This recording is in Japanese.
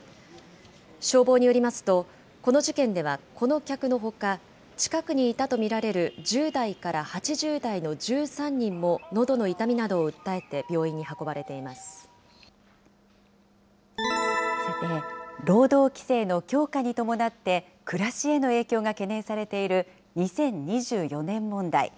消防によりますと、この事件ではこの客のほか、近くにいたと見られる１０代から８０代の１３人ものどの痛みなどさて、労働規制の強化に伴って、暮らしへの影響が懸念されている２０２４年問題。